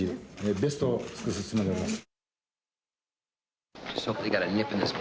ベストを尽くすつもりでおります。